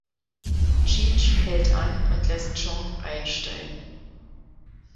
Cheech hält an und lässt Chong einsteigen.